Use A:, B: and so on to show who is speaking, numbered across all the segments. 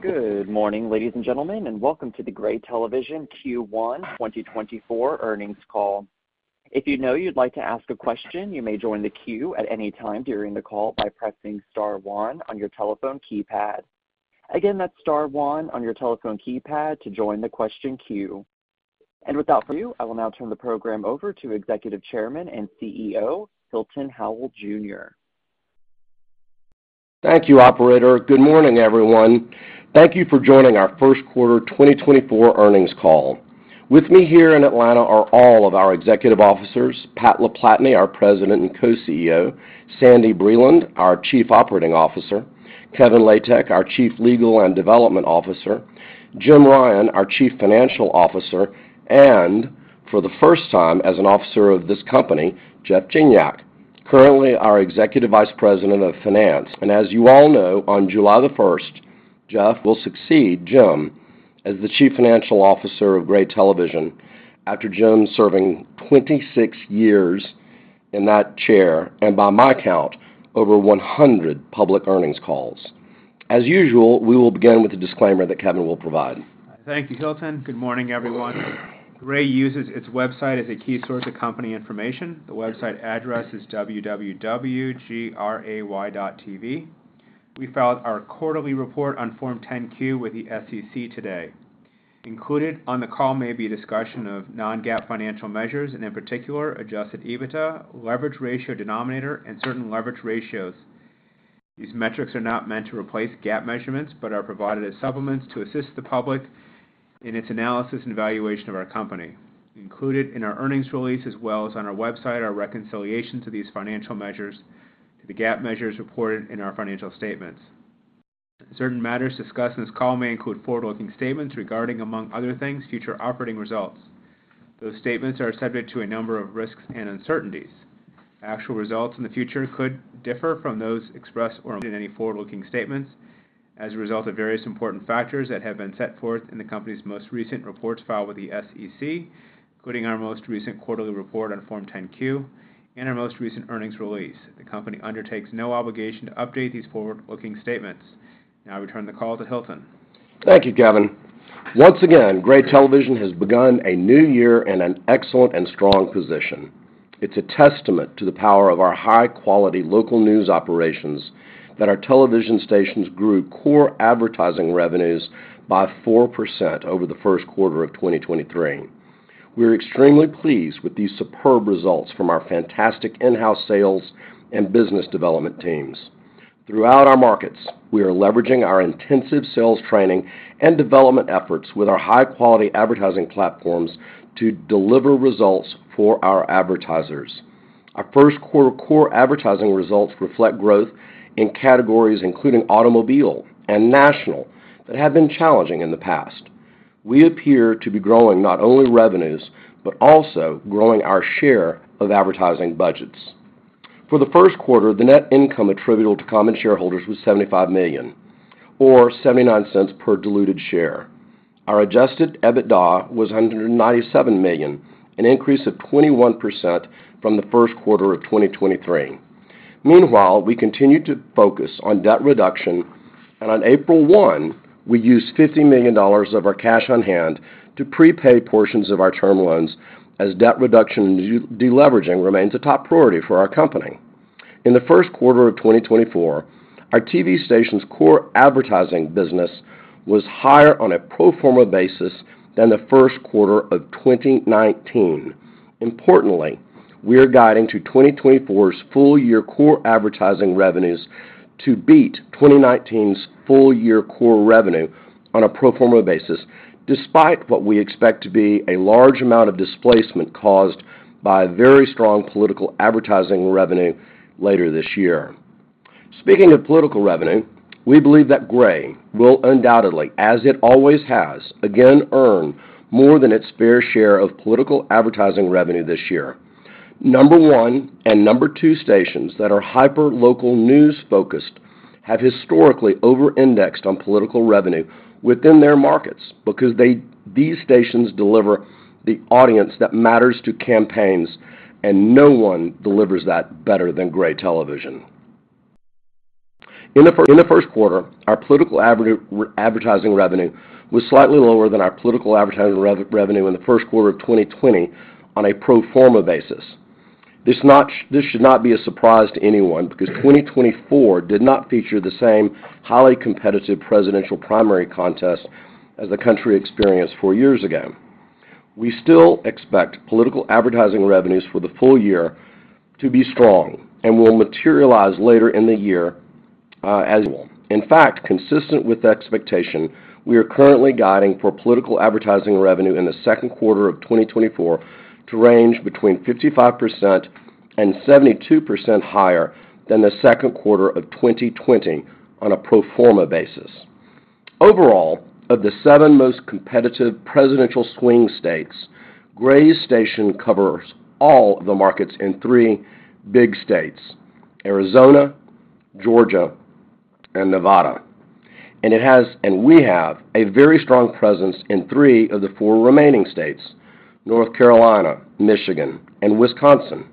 A: Good morning, ladies and gentlemen, and welcome to the Gray Television Q1 2024 earnings call. If you know you'd like to ask a question, you may join the queue at any time during the call by pressing star one on your telephone keypad. Again, that's star one on your telephone keypad to join the question queue. Without further ado, I will now turn the program over to Executive Chairman and CEO Hilton Howell Jr.
B: Thank you, Operator. Good morning, everyone. Thank you for joining our first quarter 2024 earnings call. With me here in Atlanta are all of our executive officers: Pat LaPlatney, our President and Co-CEO, Sandy Breland, our Chief Operating Officer, Kevin Latek, our Chief Legal and Development Officer, Jim Ryan, our Chief Financial Officer, and, for the first time as an officer of this company, Jeff Gignac, currently our Executive Vice President of Finance. As you all know, on July 1st, Jeff will succeed Jim as the Chief Financial Officer of Gray Television after Jim serving 26 years in that chair and, by my count, over 100 public earnings calls. As usual, we will begin with a disclaimer that Kevin will provide.
C: Thank you, Hilton. Good morning, everyone. Gray uses its website as a key source of company information. The website address is www.gray.tv. We filed our quarterly report on Form 10-Q with the SEC today. Included on the call may be a discussion of non-GAAP financial measures and, in particular, Adjusted EBITDA, leverage ratio denominator, and certain leverage ratios. These metrics are not meant to replace GAAP measurements but are provided as supplements to assist the public in its analysis and evaluation of our company. Included in our earnings release as well as on our website are reconciliations of these financial measures to the GAAP measures reported in our financial statements. Certain matters discussed in this call may include forward-looking statements regarding, among other things, future operating results. Those statements are subject to a number of risks and uncertainties. Actual results in the future could differ from those expressed or. In any forward-looking statements as a result of various important factors that have been set forth in the company's most recent reports filed with the SEC, including our most recent quarterly report on Form 10-Q and our most recent earnings release. The company undertakes no obligation to update these forward-looking statements. Now I return the call to Hilton.
B: Thank you, Kevin. Once again, Gray Television has begun a new year in an excellent and strong position. It's a testament to the power of our high-quality local news operations that our television stations grew core advertising revenues by 4% over the first quarter of 2023. We are extremely pleased with these superb results from our fantastic in-house sales and business development teams. Throughout our markets, we are leveraging our intensive sales training and development efforts with our high-quality advertising platforms to deliver results for our advertisers. Our first quarter core advertising results reflect growth in categories including automobile and national that have been challenging in the past. We appear to be growing not only revenues but also growing our share of advertising budgets. For the first quarter, the net income attributable to common shareholders was $75 million, or $0.79 per diluted share. Our adjusted EBITDA was $197 million, an increase of 21% from the first quarter of 2023. Meanwhile, we continue to focus on debt reduction, and on April 1, we used $50 million of our cash on hand to prepay portions of our term loans as debt reduction and deleveraging remains a top priority for our company. In the first quarter of 2024, our TV station's core advertising business was higher on a pro forma basis than the first quarter of 2019. Importantly, we are guiding to 2024's full-year core advertising revenues to beat 2019's full-year core revenue on a pro forma basis, despite what we expect to be a large amount of displacement caused by very strong political advertising revenue later this year. Speaking of political revenue, we believe that Gray will undoubtedly, as it always has, again earn more than its fair share of political advertising revenue this year. Number 1 and number 2 stations that are hyper-local news-focused have historically over-indexed on political revenue within their markets because these stations deliver the audience that matters to campaigns, and no one delivers that better than Gray Television. In the first quarter, our political advertising revenue was slightly lower than our political advertising revenue in the first quarter of 2020 on a pro forma basis. This should not be a surprise to anyone because 2024 did not feature the same highly competitive presidential primary contest as the country experienced four years ago. We still expect political advertising revenues for the full year to be strong and will materialize later in the year as. In fact, consistent with expectation, we are currently guiding for political advertising revenue in the second quarter of 2024 to range between 55% and 72% higher than the second quarter of 2020 on a pro forma basis. Overall, of the seven most competitive presidential swing states, Gray's station covers all of the markets in three big states: Arizona, Georgia, and Nevada. We have a very strong presence in three of the four remaining states: North Carolina, Michigan, and Wisconsin.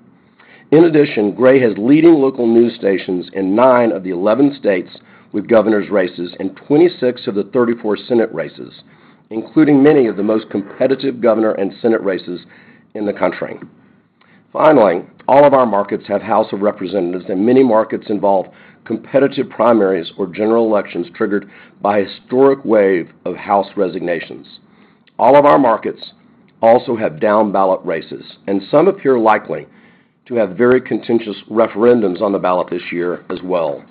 B: In addition, Gray has leading local news stations in nine of the 11 states with governors' races and 26 of the 34 Senate races, including many of the most competitive governor and Senate races in the country. Finally, all of our markets have House of Representatives, and many markets involve competitive primaries or general elections triggered by a historic wave of House resignations. All of our markets also have down-ballot races, and some appear likely to have very contentious referendums on the ballot this year as well.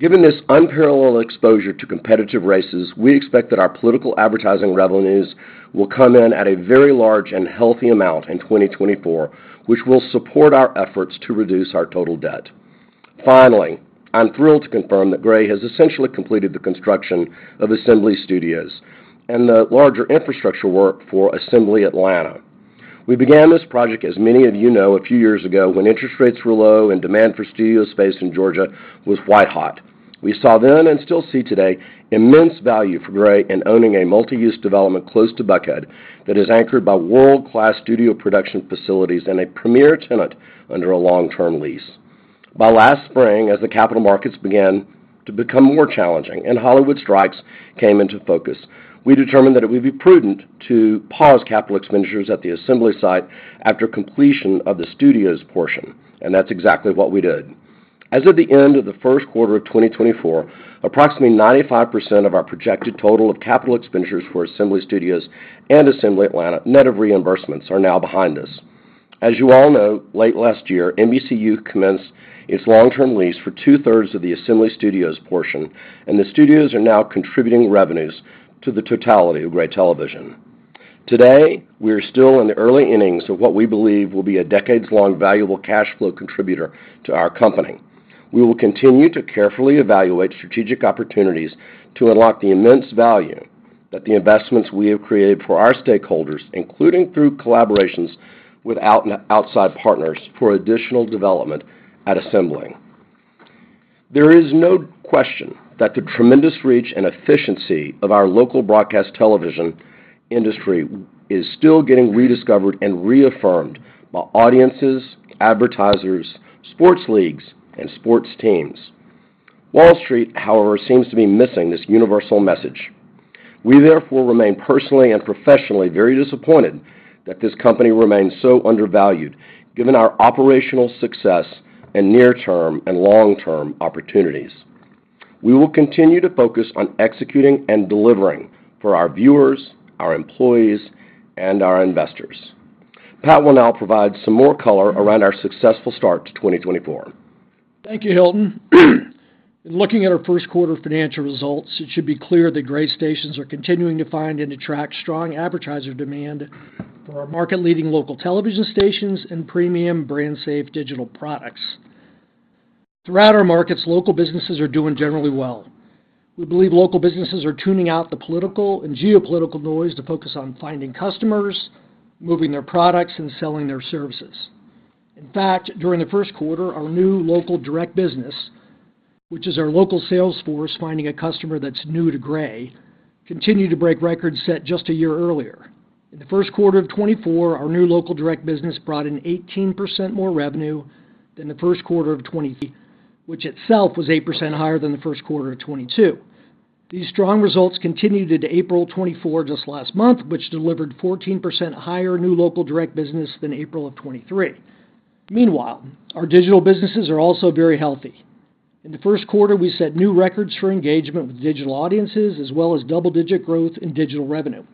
B: Given this unparalleled exposure to competitive races, we expect that our political advertising revenues will come in at a very large and healthy amount in 2024, which will support our efforts to reduce our total debt. Finally, I'm thrilled to confirm that Gray has essentially completed the construction of Assembly Studios and the larger infrastructure work for Assembly Atlanta. We began this project, as many of you know, a few years ago when interest rates were low and demand for studio space in Georgia was white hot. We saw then and still see today immense value for Gray in owning a multi-use development close to Buckhead that is anchored by world-class studio production facilities and a premier tenant under a long-term lease. By last spring, as the capital markets began to become more challenging and Hollywood strikes came into focus, we determined that it would be prudent to pause capital expenditures at the Assembly site after completion of the studios portion, and that's exactly what we did. As of the end of the first quarter of 2024, approximately 95% of our projected total of capital expenditures for Assembly Studios and Assembly Atlanta, net of reimbursements, are now behind us. As you all know, late last year, NBCU commenced its long-term lease for two-thirds of the Assembly Studios portion, and the studios are now contributing revenues to the totality of Gray Television. Today, we are still in the early innings of what we believe will be a decades-long valuable cash flow contributor to our company. We will continue to carefully evaluate strategic opportunities to unlock the immense value that the investments we have created for our stakeholders, including through collaborations with outside partners for additional development at Assembly. There is no question that the tremendous reach and efficiency of our local broadcast television industry is still getting rediscovered and reaffirmed by audiences, advertisers, sports leagues, and sports teams. Wall Street, however, seems to be missing this universal message. We, therefore, remain personally and professionally very disappointed that this company remains so undervalued given our operational success and near-term and long-term opportunities. We will continue to focus on executing and delivering for our viewers, our employees, and our investors. Pat will now provide some more color around our successful start to 2024.
D: Thank you, Hilton. In looking at our first quarter financial results, it should be clear that Gray stations are continuing to find and attract strong advertiser demand for our market-leading local television stations and premium brand-safe digital products. Throughout our markets, local businesses are doing generally well. We believe local businesses are tuning out the political and geopolitical noise to focus on finding customers, moving their products, and selling their services. In fact, during the first quarter, our new local direct business, which is our local sales force finding a customer that's new to Gray, continued to break records set just a year earlier. In the first quarter of 2024, our new local direct business brought in 18% more revenue than the first quarter of 2023, which itself was 8% higher than the first quarter of 2022. These strong results continued into April 2024, just last month, which delivered 14% higher new local direct business than April of 2023. Meanwhile, our digital businesses are also very healthy. In the first quarter, we set new records for engagement with digital audiences as well as double-digit growth in digital revenue.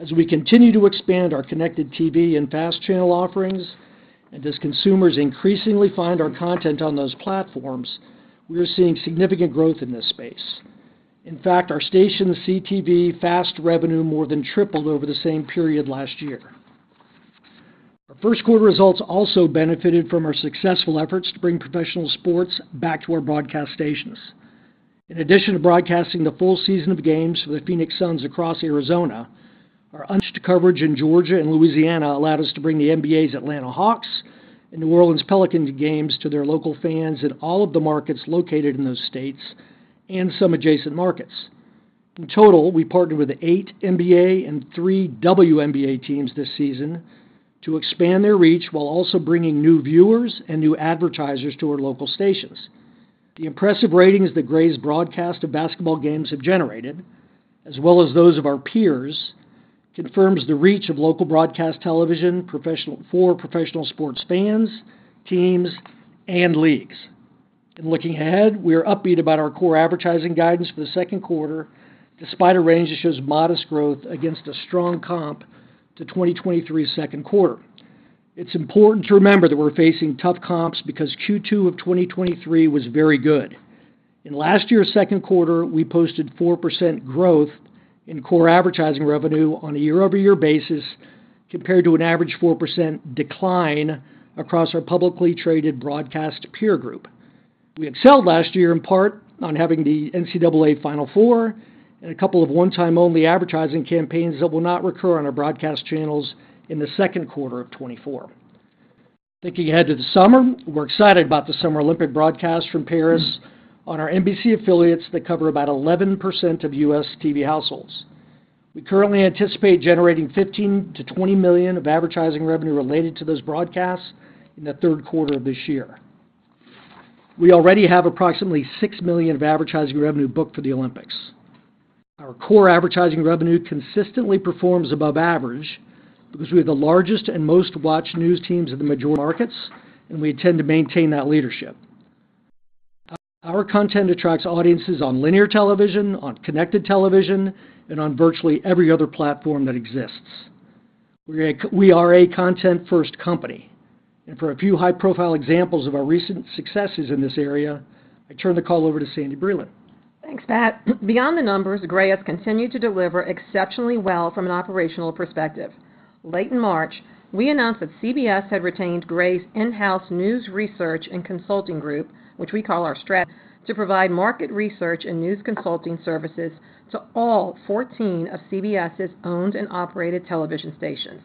D: As we continue to expand our connected TV and FAST channel offerings, and as consumers increasingly find our content on those platforms, we are seeing significant growth in this space. In fact, our station's CTV FAST revenue more than tripled over the same period last year. Our first quarter results also benefited from our successful efforts to bring professional sports back to our broadcast stations. In addition to broadcasting the full season of games for the Phoenix Suns across Arizona, our coverage in Georgia and Louisiana allowed us to bring the NBA's Atlanta Hawks and New Orleans Pelicans games to their local fans in all of the markets located in those states and some adjacent markets. In total, we partnered with 8 NBA and 3 WNBA teams this season to expand their reach while also bringing new viewers and new advertisers to our local stations. The impressive ratings that Gray's broadcast of basketball games have generated, as well as those of our peers, confirm the reach of local broadcast television for professional sports fans, teams, and leagues. In looking ahead, we are upbeat about our core advertising guidance for the second quarter, despite a range that shows modest growth against a strong comp to 2023's second quarter. It's important to remember that we're facing tough comps because Q2 of 2023 was very good. In last year's second quarter, we posted 4% growth in core advertising revenue on a year-over-year basis compared to an average 4% decline across our publicly traded broadcast peer group. We excelled last year in part on having the NCAA Final Four and a couple of one-time-only advertising campaigns that will not recur on our broadcast channels in the second quarter of 2024. Thinking ahead to the summer, we're excited about the Summer Olympics broadcast from Paris on our NBC affiliates that cover about 11% of U.S. TV households. We currently anticipate generating $15 million-$20 million of advertising revenue related to those broadcasts in the third quarter of this year. We already have approximately $6 million of advertising revenue booked for the Olympics. Our core advertising revenue consistently performs above average because we have the largest and most-watched news teams in the major markets, and we intend to maintain that leadership. Our content attracts audiences on linear television, on connected television, and on virtually every other platform that exists. We are a content-first company, and for a few high-profile examples of our recent successes in this area, I turn the call over to Sandy Breland.
E: Thanks, Pat. Beyond the numbers, Gray has continued to deliver exceptionally well from an operational perspective. Late in March, we announced that CBS had retained Gray's in-house news research and consulting group, which we call our Stratégie, to provide market research and news consulting services to all 14 of CBS's owned and operated television stations.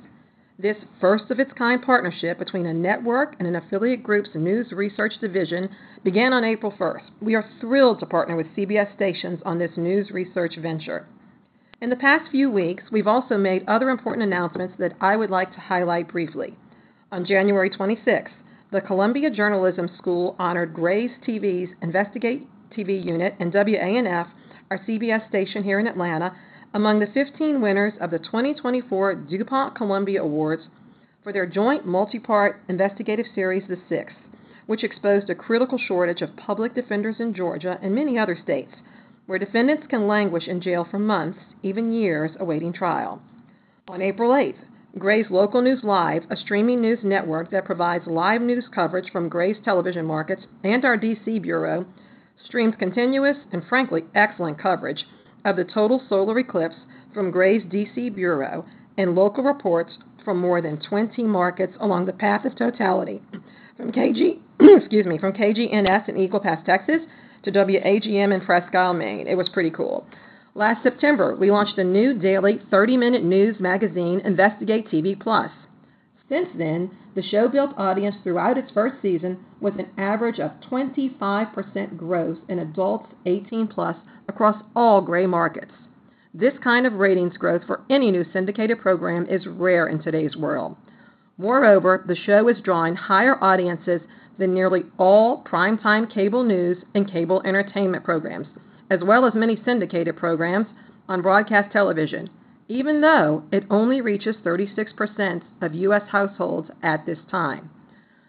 E: This first-of-its-kind partnership between a network and an affiliate group's news research division began on April 1st. We are thrilled to partner with CBS stations on this news research venture. In the past few weeks, we've also made other important announcements that I would like to highlight briefly. On January 26th, the Columbia Journalism School honored Gray Television's InvestigateTV Unit and WANF, our CBS station here in Atlanta, among the 15 winners of the 2024 DuPont-Columbia Awards for their joint multi-part investigative series, The Six, which exposed a critical shortage of public defenders in Georgia and many other states where defendants can languish in jail for months, even years, awaiting trial. On April 8th, Gray's Local News Live, a streaming news network that provides live news coverage from Gray's television markets and our D.C. Bureau, streamed continuous and, frankly, excellent coverage of the total solar eclipse from Gray's D.C. Bureau and local reports from more than 20 markets along the path of totality, from KGNS in Eagle Pass, Texas, to WAGM in Presque Isle, Maine. It was pretty cool. Last September, we launched a new daily 30-minute news magazine, InvestigateTV+. Since then, the show built audience throughout its first season with an average of 25% growth in adults 18+ across all Gray markets. This kind of ratings growth for any new syndicated program is rare in today's world. Moreover, the show is drawing higher audiences than nearly all primetime cable news and cable entertainment programs, as well as many syndicated programs on broadcast television, even though it only reaches 36% of U.S. households at this time.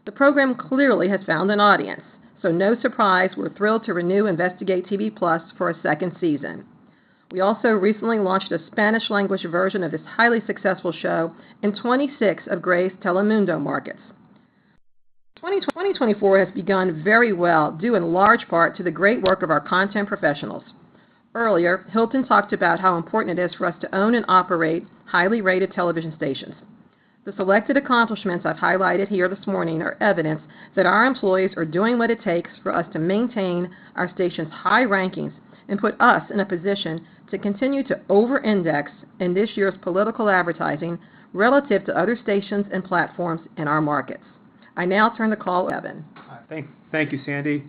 E: The program clearly has found an audience, so no surprise we're thrilled to renew InvestigateTV+ for a second season. We also recently launched a Spanish-language version of this highly successful show in 26 of Gray's Telemundo markets. 2024 has begun very well due in large part to the great work of our content professionals. Earlier, Hilton talked about how important it is for us to own and operate highly rated television stations. The selected accomplishments I've highlighted here this morning are evidence that our employees are doing what it takes for us to maintain our station's high rankings and put us in a position to continue to over-index in this year's political advertising relative to other stations and platforms in our markets. I now turn the call. Kevin.
C: Thank you, Sandy.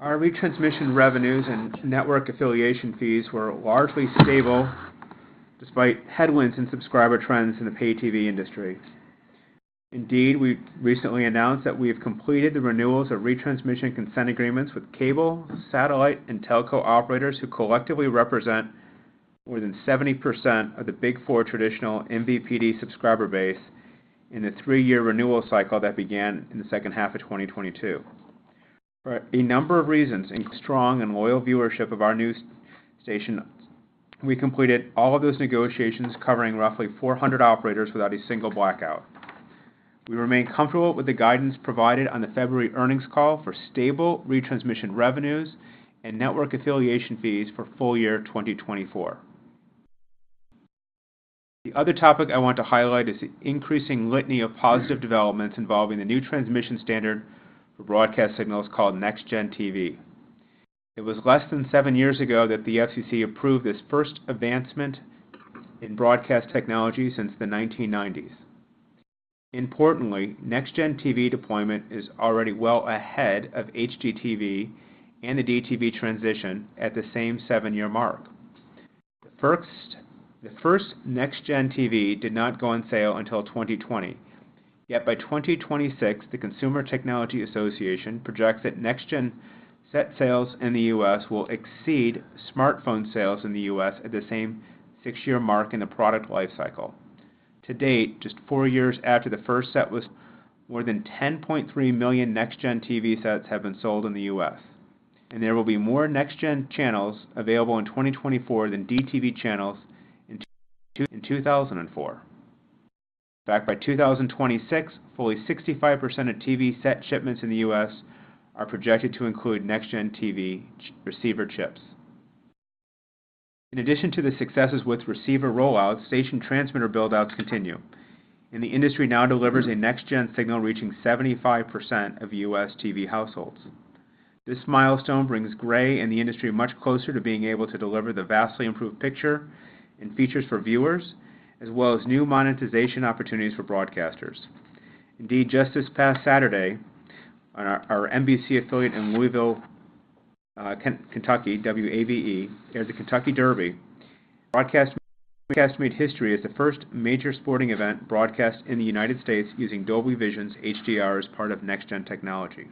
C: Our retransmission revenues and network affiliation fees were largely stable despite headwinds in subscriber trends in the pay TV industry. Indeed, we recently announced that we have completed the renewals of retransmission consent agreements with cable, satellite, and telco operators who collectively represent more than 70% of the Big Four traditional MVPD subscriber base in the three-year renewal cycle that began in the second half of 2022. For a number of reasons, including strong and loyal viewership of our news station, we completed all of those negotiations covering roughly 400 operators without a single blackout. We remain comfortable with the guidance provided on the February earnings call for stable retransmission revenues and network affiliation fees for full year 2024. The other topic I want to highlight is the increasing litany of positive developments involving the new transmission standard for broadcast signals called NEXTGEN TV. It was less than seven years ago that the FCC approved this first advancement in broadcast technology since the 1990s. Importantly, NextGen TV deployment is already well ahead of HDTV and the DTV transition at the same seven-year mark. The first NextGen TV did not go on sale until 2020, yet by 2026, the Consumer Technology Association projects that NextGen set sales in the U.S. will exceed smartphone sales in the U.S. at the same six-year mark in the product lifecycle. To date, just four years after the first set was sold, more than 10.3 million NextGen TV sets have been sold in the U.S., and there will be more NextGen channels available in 2024 than DTV channels in 2004. In fact, by 2026, fully 65% of TV set shipments in the U.S. are projected to include NextGen TV receiver chips. In addition to the successes with receiver rollouts, station transmitter buildouts continue, and the industry now delivers a NextGen signal reaching 75% of U.S. TV households. This milestone brings Gray and the industry much closer to being able to deliver the vastly improved picture and features for viewers, as well as new monetization opportunities for broadcasters. Indeed, just this past Saturday, our NBC affiliate in Louisville, Kentucky, WAVE, aired the Kentucky Derby. Broadcast made history as the first major sporting event broadcast in the United States using Dolby Vision's HDR as part of NextGen technology.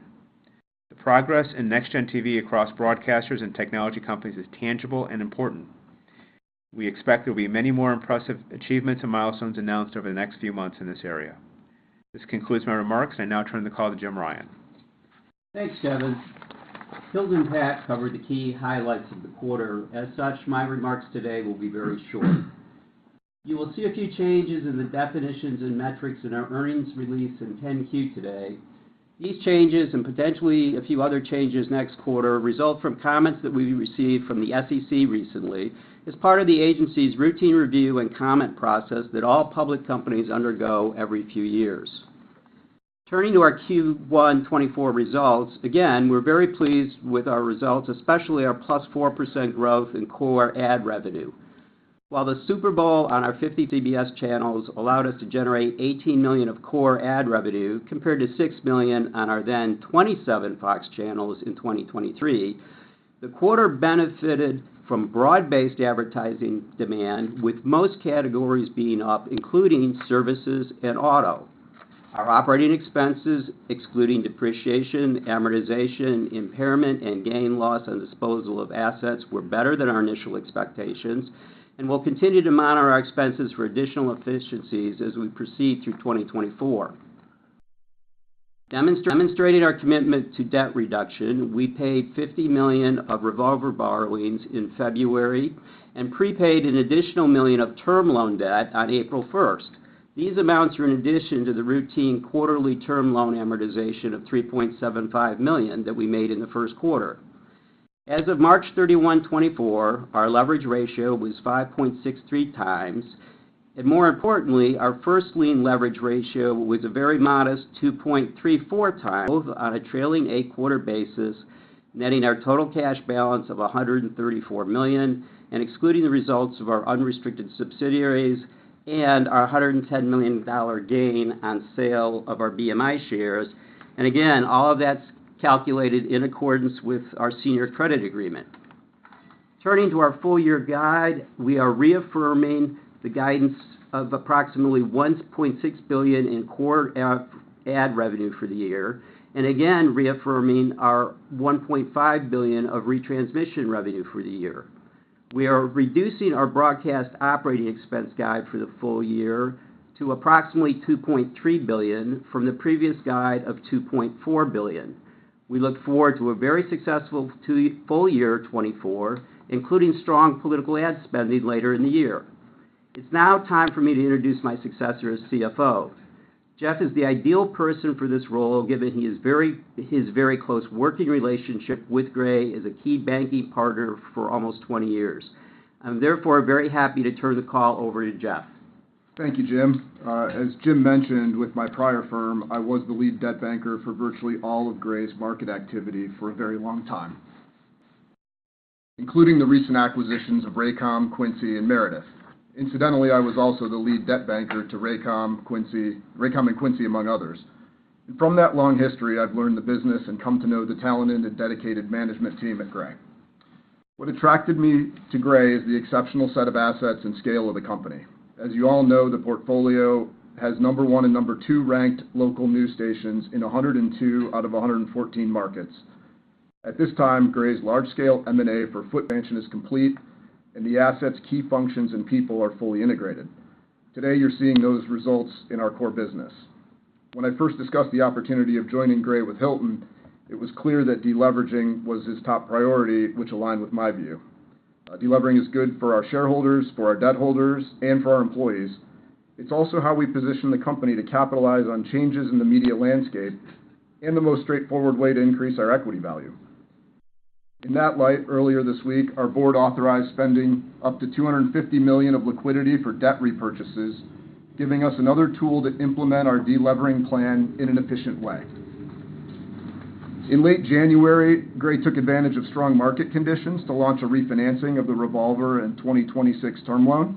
C: The progress in NextGen TV across broadcasters and technology companies is tangible and important. We expect there will be many more impressive achievements and milestones announced over the next few months in this area. This concludes my remarks, and I now turn the call to Jim Ryan.
F: Thanks, Kevin. Hilton and Pat covered the key highlights of the quarter. As such, my remarks today will be very short. You will see a few changes in the definitions and metrics in our earnings release in 10-Q today. These changes and potentially a few other changes next quarter result from comments that we received from the FCC recently as part of the agency's routine review and comment process that all public companies undergo every few years. Turning to our Q1 2024 results, again, we're very pleased with our results, especially our +4% growth in core ad revenue. While the Super Bowl on our 50 CBS channels allowed us to generate $18 million of core ad revenue compared to $6 million on our then 27 Fox channels in 2023, the quarter benefited from broad-based advertising demand, with most categories being up, including services and auto. Our operating expenses, excluding depreciation, amortization, impairment, and gain loss and disposal of assets, were better than our initial expectations, and we'll continue to monitor our expenses for additional efficiencies as we proceed through 2024. Demonstrating our commitment to debt reduction, we paid $50 million of revolver borrowings in February and prepaid an additional $1 million of term loan debt on April 1st. These amounts are in addition to the routine quarterly term loan amortization of $3.75 million that we made in the first quarter. As of March 31, 2024, our leverage ratio was 5.63 times, and more importantly, our first lien leverage ratio was a very modest 2.34 times on a trailing eight-quarter basis, netting our total cash balance of $134 million and excluding the results of our unrestricted subsidiaries and our $110 million gain on sale of our BMI shares. And again, all of that's calculated in accordance with our senior credit agreement. Turning to our full-year guide, we are reaffirming the guidance of approximately $1.6 billion in core ad revenue for the year and, again, reaffirming our $1.5 billion of retransmission revenue for the year. We are reducing our broadcast operating expense guide for the full year to approximately $2.3 billion from the previous guide of $2.4 billion. We look forward to a very successful full year 2024, including strong political ad spending later in the year. It's now time for me to introduce my successor as CFO. Jeff is the ideal person for this role, given his very close working relationship with Gray as a key banking partner for almost 20 years. I'm therefore very happy to turn the call over to Jeff.
G: Thank you, Jim. As Jim mentioned, with my prior firm, I was the lead debt banker for virtually all of Gray's market activity for a very long time, including the recent acquisitions of Raycom, Quincy, and Meredith. Incidentally, I was also the lead debt banker to Raycom, Quincy, Raycom and Quincy, among others. From that long history, I've learned the business and come to know the talented and dedicated management team at Gray. What attracted me to Gray is the exceptional set of assets and scale of the company. As you all know, the portfolio has number one and number two-ranked local news stations in 102 out of 114 markets. At this time, Gray's large-scale M&A for footprint is complete, and the assets, key functions, and people are fully integrated. Today, you're seeing those results in our core business. When I first discussed the opportunity of joining Gray with Hilton, it was clear that deleveraging was his top priority, which aligned with my view. Delevering is good for our shareholders, for our debt holders, and for our employees. It's also how we position the company to capitalize on changes in the media landscape and the most straightforward way to increase our equity value. In that light, earlier this week, our board authorized spending up to $250 million of liquidity for debt repurchases, giving us another tool to implement our delevering plan in an efficient way. In late January, Gray took advantage of strong market conditions to launch a refinancing of the revolver and 2026 term loan.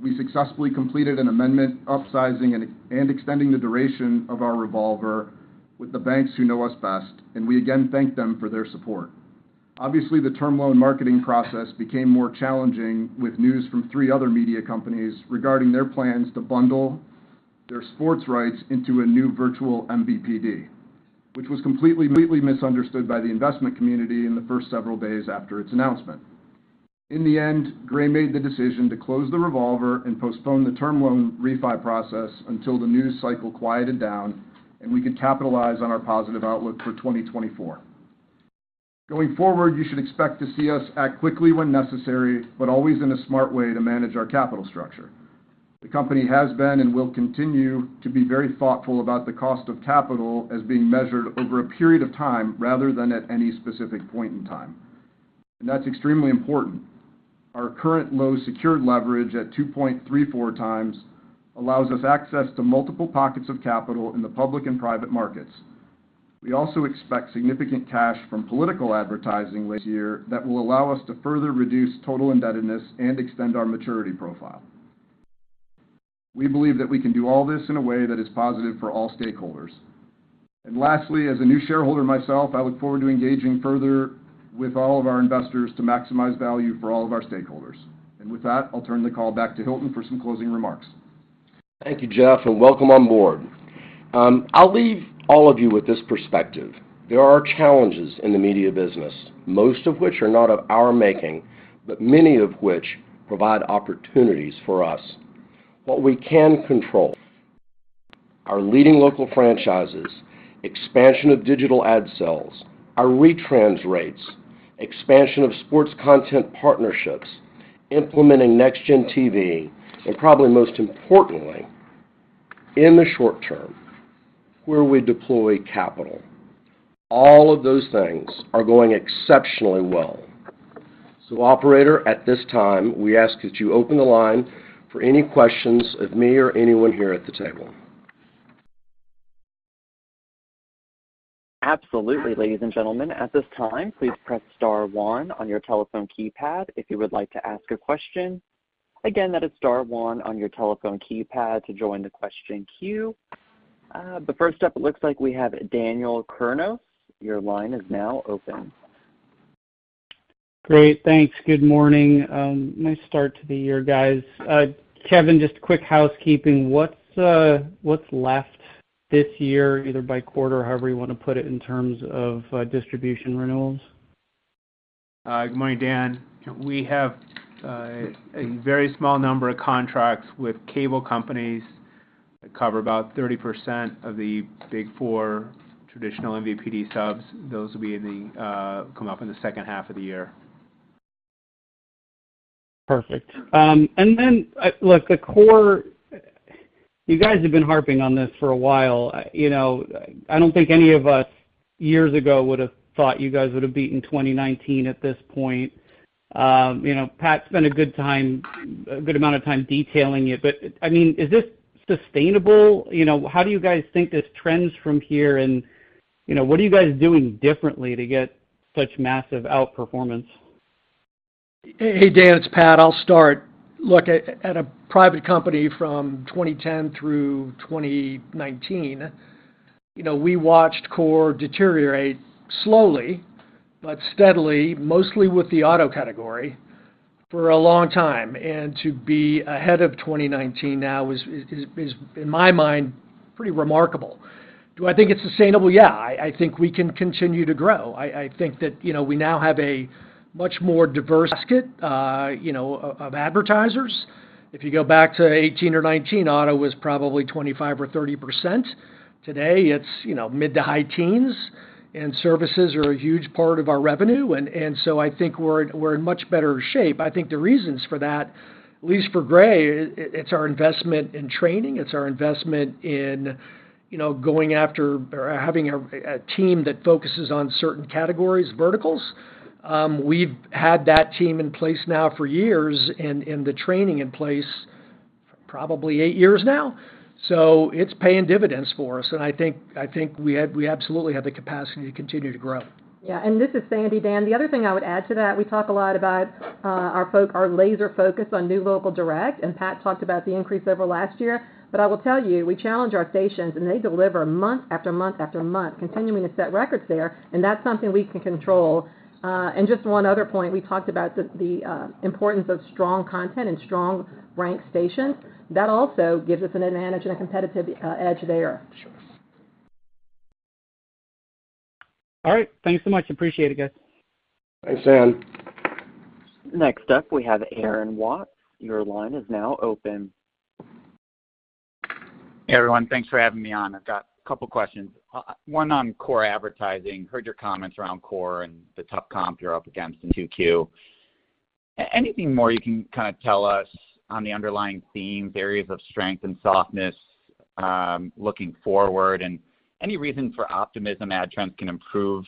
G: We successfully completed an amendment upsizing and extending the duration of our revolver with the banks who know us best, and we again thank them for their support. Obviously, the term loan marketing process became more challenging with news from three other media companies regarding their plans to bundle their sports rights into a new virtual MVPD, which was completely misunderstood by the investment community in the first several days after its announcement. In the end, Gray made the decision to close the revolver and postpone the term loan refi process until the news cycle quieted down and we could capitalize on our positive outlook for 2024. Going forward, you should expect to see us act quickly when necessary, but always in a smart way to manage our capital structure. The company has been and will continue to be very thoughtful about the cost of capital as being measured over a period of time rather than at any specific point in time. That's extremely important. Our current low-secured leverage at 2.34 times allows us access to multiple pockets of capital in the public and private markets. We also expect significant cash from political advertising later this year that will allow us to further reduce total indebtedness and extend our maturity profile. We believe that we can do all this in a way that is positive for all stakeholders. Lastly, as a new shareholder myself, I look forward to engaging further with all of our investors to maximize value for all of our stakeholders. With that, I'll turn the call back to Hilton for some closing remarks.
B: Thank you, Jeff, and welcome on board. I'll leave all of you with this perspective. There are challenges in the media business, most of which are not of our making, but many of which provide opportunities for us. What we can control are leading local franchises, expansion of digital ad sales, our retrans rates, expansion of sports content partnerships, implementing NextGen TV, and probably most importantly, in the short term, where we deploy capital. All of those things are going exceptionally well. So, operator, at this time, we ask that you open the line for any questions of me or anyone here at the table.
A: Absolutely, ladies and gentlemen. At this time, please press star one on your telephone keypad if you would like to ask a question. Again, that is star one on your telephone keypad to join the question queue. The first up, it looks like we have Daniel Kurnos. Your line is now open.
H: Great. Thanks. Good morning. Nice start to the year, guys. Kevin, just quick housekeeping. What's left this year, either by quarter or however you want to put it in terms of distribution renewals?
C: Good morning, Dan. We have a very small number of contracts with cable companies. They cover about 30% of the Big Four traditional MVPD subs. Those will come up in the second half of the year.
H: Perfect. Then, look, the core you guys have been harping on this for a while. I don't think any of us years ago would have thought you guys would have beaten 2019 at this point. Pat spent a good amount of time detailing it, but I mean, is this sustainable? How do you guys think this trends from here, and what are you guys doing differently to get such massive outperformance?
D: Hey, Dan. It's Pat. I'll start. Look, at a private company from 2010 through 2019, we watched core deteriorate slowly but steadily, mostly with the auto category, for a long time. To be ahead of 2019 now is, in my mind, pretty remarkable. Do I think it's sustainable? Yeah. I think we can continue to grow. I think that we now have a much more diverse basket of advertisers. If you go back to 2018 or 2019, auto was probably 25% or 30%. Today, it's mid- to high teens, and services are a huge part of our revenue. So I think we're in much better shape. I think the reasons for that, at least for Gray, it's our investment in training. It's our investment in going after or having a team that focuses on certain categories, verticals. We've had that team in place now for years and the training in place for probably eight years now. So it's paying dividends for us, and I think we absolutely have the capacity to continue to grow.
E: Yeah. And this is Sandy, Dan. The other thing I would add to that, we talk a lot about our laser focus on new local direct, and Pat talked about the increase over last year. But I will tell you, we challenge our stations, and they deliver month after month after month, continuing to set records there, and that's something we can control. And just one other point, we talked about the importance of strong content and strong-ranked stations. That also gives us an advantage and a competitive edge there.
C: Sure.
H: All right. Thanks so much. Appreciate it, guys.
F: Thanks, Dan.
A: Next up, we have Aaron Watts. Your line is now open.
I: Hey, everyone. Thanks for having me on. I've got a couple of questions. One on core advertising. Heard your comments around core and the tough comp you're up against in 2Q. Anything more you can kind of tell us on the underlying themes, areas of strength and softness looking forward, and any reason for optimism ad trends can improve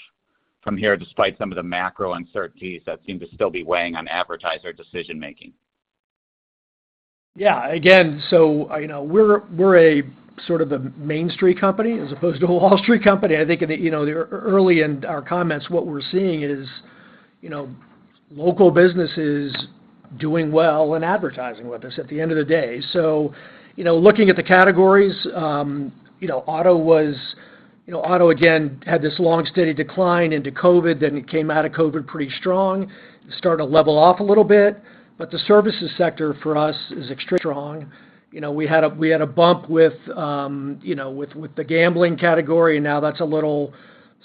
I: from here despite some of the macro uncertainties that seem to still be weighing on advertiser decision-making?
D: Yeah. Again, so we're sort of a mainstream company as opposed to a Wall Street company. I think early in our comments, what we're seeing is local businesses doing well in advertising with us at the end of the day. So looking at the categories, auto was auto, again, had this long, steady decline into COVID, then came out of COVID pretty strong, started to level off a little bit. But the services sector for us is strong. We had a bump with the gambling category, and now that's a little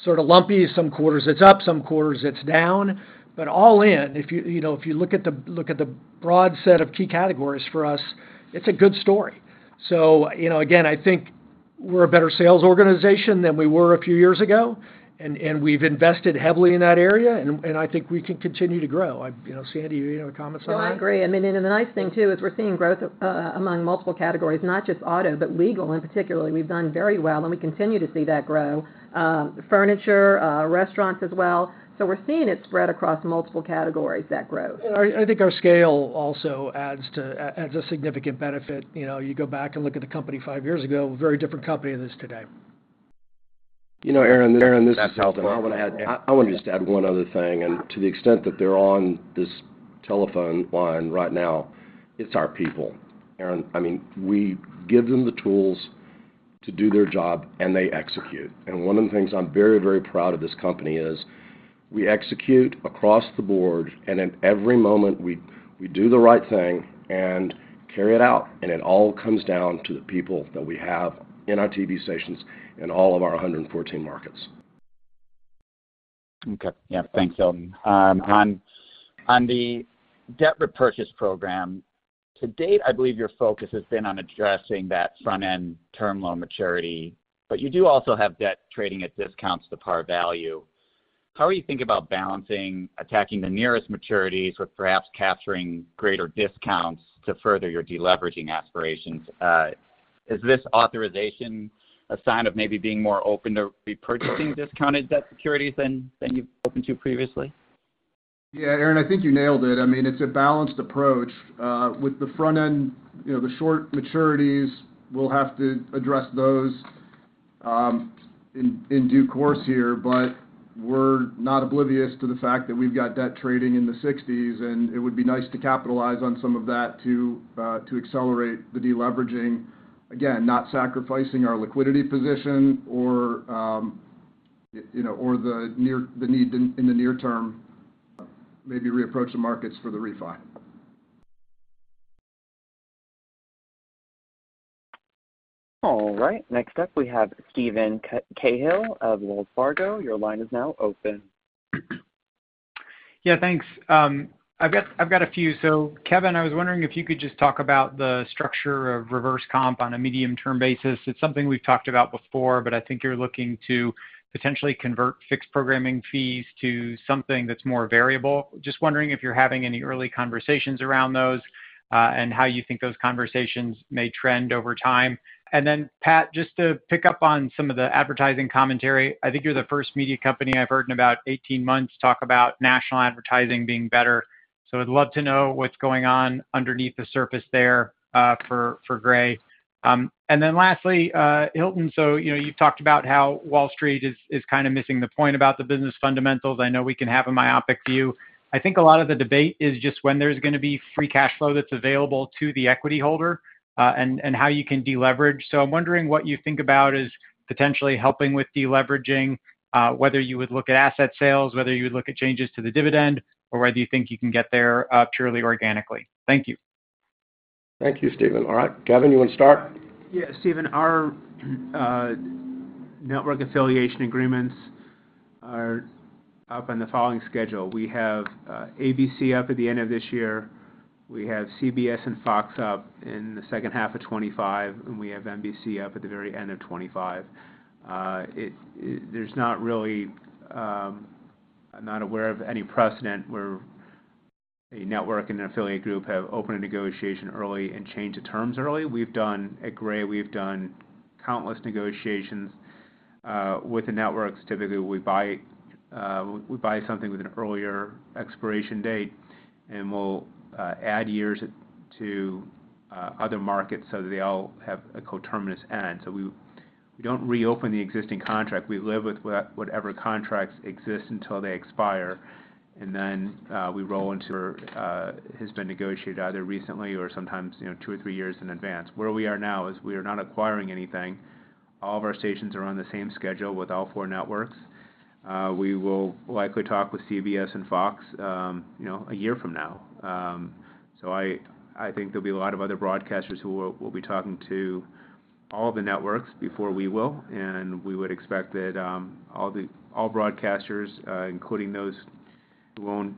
D: sort of lumpy. Some quarters, it's up. Some quarters, it's down. But all in, if you look at the broad set of key categories for us, it's a good story. So again, I think we're a better sales organization than we were a few years ago, and we've invested heavily in that area, and I think we can continue to grow. Sandy, do you have any comments on that?
E: No, I agree. I mean, and the nice thing too is we're seeing growth among multiple categories, not just auto, but legal in particular. We've done very well, and we continue to see that grow: furniture, restaurants as well. So we're seeing it spread across multiple categories, that growth.
D: I think our scale also adds a significant benefit. You go back and look at the company five years ago, a very different company than it is today.
B: Aaron, this is Hilton. I want to just add one other thing. To the extent that they're on this telephone line right now, it's our people. I mean, we give them the tools to do their job, and they execute. One of the things I'm very, very proud of this company is we execute across the board, and at every moment, we do the right thing and carry it out, and it all comes down to the people that we have in our TV stations in all of our 114 markets.
I: Okay. Yeah. Thanks, Hilton. On the debt repurchase program, to date, I believe your focus has been on addressing that front-end term loan maturity, but you do also have debt trading at discounts to par value. How are you thinking about balancing attacking the nearest maturities with perhaps capturing greater discounts to further your deleveraging aspirations? Is this authorization a sign of maybe being more open to repurchasing discounted debt securities than you've opened to previously?
G: Yeah, Aaron, I think you nailed it. I mean, it's a balanced approach. With the front-end, the short maturities, we'll have to address those in due course here, but we're not oblivious to the fact that we've got debt trading in the '60s, and it would be nice to capitalize on some of that to accelerate the deleveraging. Again, not sacrificing our liquidity position or the need in the near term. Maybe reapproach the markets for the refi.
A: All right. Next up, we have Stephen Cahall of Wells Fargo. Your line is now open.
J: Yeah. Thanks. I've got a few. So Kevin, I was wondering if you could just talk about the structure of reverse comp on a medium-term basis. It's something we've talked about before, but I think you're looking to potentially convert fixed programming fees to something that's more variable. Just wondering if you're having any early conversations around those and how you think those conversations may trend over time. And then, Pat, just to pick up on some of the advertising commentary, I think you're the first media company I've heard in about 18 months talk about national advertising being better. So I'd love to know what's going on underneath the surface there for Gray. And then lastly, Hilton, so you've talked about how Wall Street is kind of missing the point about the business fundamentals. I know we can have a myopic view. I think a lot of the debate is just when there's going to be free cash flow that's available to the equity holder and how you can deleverage. So I'm wondering what you think about is potentially helping with deleveraging, whether you would look at asset sales, whether you would look at changes to the dividend, or whether you think you can get there purely organically. Thank you.
B: Thank you, Stephen. All right. Kevin, you want to start?
C: Yeah. Stephen, our network affiliation agreements are up on the following schedule. We have ABC up at the end of this year. We have CBS and Fox up in the second half of 2025, and we have NBC up at the very end of 2025. I'm not aware of any precedent where a network and an affiliate group have opened a negotiation early and changed the terms early. At Gray, we've done countless negotiations with the networks. Typically, we buy something with an earlier expiration date, and we'll add years to other markets so that they all have a coterminous end. So we don't reopen the existing contract. We live with whatever contracts exist until they expire, and then we roll into has been negotiated either recently or sometimes two or three years in advance. Where we are now is we are not acquiring anything. All of our stations are on the same schedule with all four networks. We will likely talk with CBS and Fox a year from now. So I think there'll be a lot of other broadcasters who will be talking to all of the networks before we will, and we would expect that all broadcasters, including those who own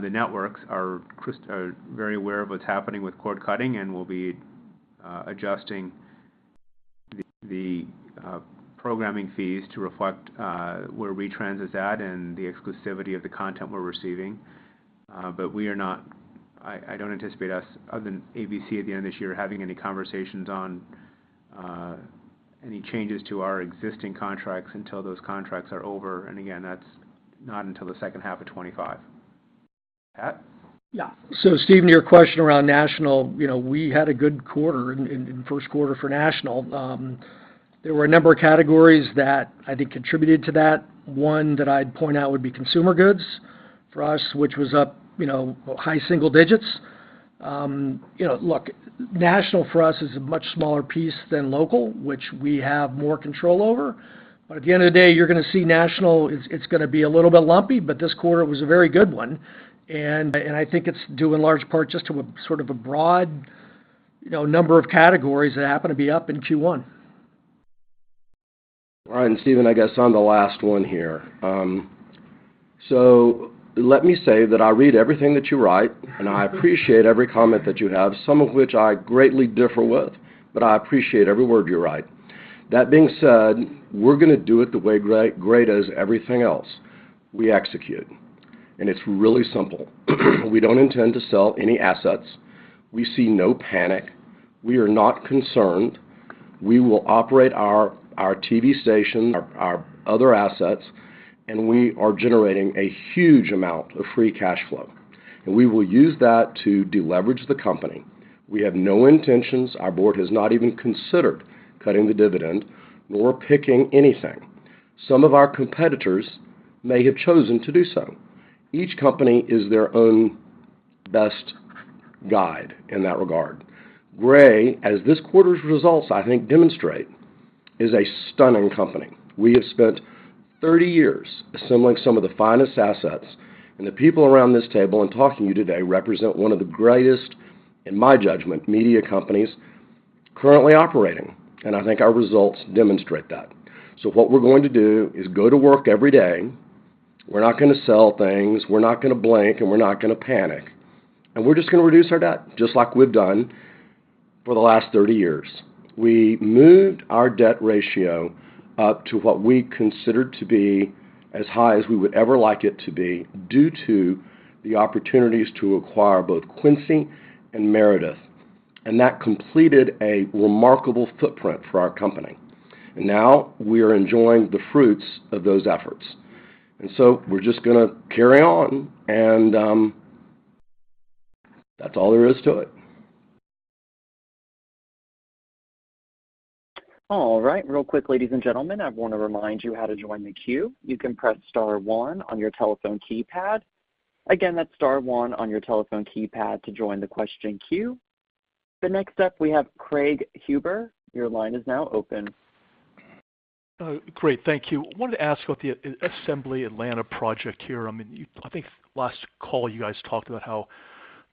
C: the networks, are very aware of what's happening with cord cutting and will be adjusting the programming fees to reflect where retrans is at and the exclusivity of the content we're receiving. But I don't anticipate us, other than ABC at the end of this year, having any conversations on any changes to our existing contracts until those contracts are over. And again, that's not until the second half of 2025. Pat?
D: Yeah. So Stephen, your question around national, we had a good quarter and first quarter for national. There were a number of categories that I think contributed to that. One that I'd point out would be consumer goods for us, which was up high single digits. Look, national for us is a much smaller piece than local, which we have more control over. But at the end of the day, you're going to see national, it's going to be a little bit lumpy, but this quarter was a very good one. And I think it's due in large part just to sort of a broad number of categories that happen to be up in Q1.
B: All right. And Stephen, I guess on the last one here. So let me say that I read everything that you write, and I appreciate every comment that you have, some of which I greatly differ with, but I appreciate every word you write. That being said, we're going to do it the way Gray does everything else. We execute. And it's really simple. We don't intend to sell any assets. We see no panic. We are not concerned. We will operate our TV stations. Our other assets, and we are generating a huge amount of free cash flow. And we will use that to deleverage the company. We have no intentions. Our board has not even considered cutting the dividend nor picking anything. Some of our competitors may have chosen to do so. Each company is their own best guide in that regard. Gray, as this quarter's results, I think, demonstrate, is a stunning company. We have spent 30 years assembling some of the finest assets, and the people around this table and talking to you today represent one of the greatest, in my judgment, media companies currently operating, and I think our results demonstrate that. So what we're going to do is go to work every day. We're not going to sell things. We're not going to blink, and we're not going to panic. And we're just going to reduce our debt just like we've done for the last 30 years. We moved our debt ratio up to what we considered to be as high as we would ever like it to be due to the opportunities to acquire both Quincy and Meredith. And that completed a remarkable footprint for our company. And now we are enjoying the fruits of those efforts. So we're just going to carry on, and that's all there is to it.
A: All right. Real quick, ladies and gentlemen, I want to remind you how to join the Q. You can press star 1 on your telephone keypad. Again, that's star 1 on your telephone keypad to join the question Q. Next up, we have Craig Huber. Your line is now open.
K: Great. Thank you. I wanted to ask about the Assembly Atlanta project here. I mean, I think last call, you guys talked about how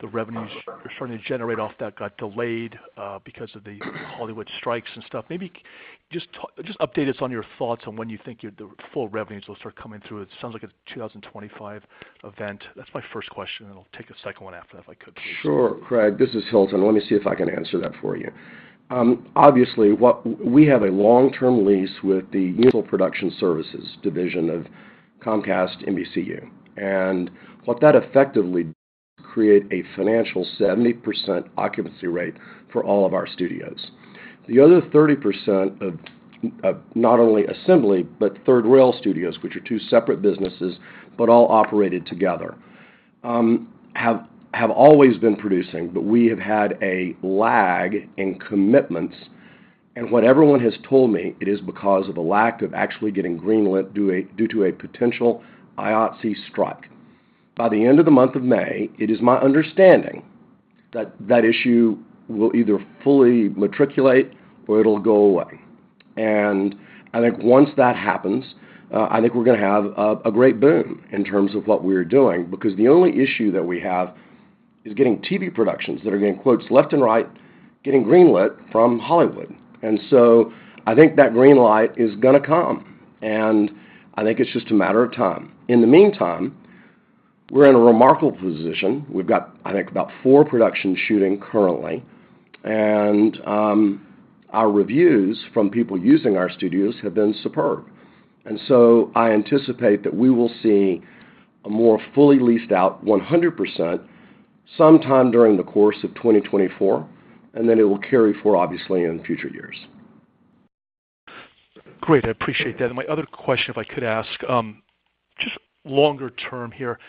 K: the revenues you're starting to generate off that got delayed because of the Hollywood strikes and stuff. Maybe just update us on your thoughts on when you think the full revenues will start coming through. It sounds like a 2025 event. That's my first question, and I'll take a second one after that if I could, please.
B: Sure, Craig. This is Hilton. Let me see if I can answer that for you. Obviously, we have a long-term lease with the Universal Production Services division of Comcast NBCU. And what that effectively does is create a financial 70% occupancy rate for all of our studios. The other 30% of not only Assembly but Third Rail Studios, which are two separate businesses but all operated together, have always been producing, but we have had a lag in commitments. And what everyone has told me, it is because of a lack of actually getting greenlit due to a potential IATSE strike. By the end of the month of May, it is my understanding that that issue will either fully materialize or it'll go away. And I think once that happens, I think we're going to have a great boom in terms of what we're doing because the only issue that we have is getting TV productions that are getting "left and right" getting greenlit from Hollywood. And so I think that green light is going to come, and I think it's just a matter of time. In the meantime, we're in a remarkable position. We've got, I think, about 4 productions shooting currently, and our reviews from people using our studios have been superb. And so I anticipate that we will see a more fully leased out 100% sometime during the course of 2024, and then it will carry forward, obviously, in future years.
K: Great. I appreciate that. And my other question, if I could ask, just longer-term here,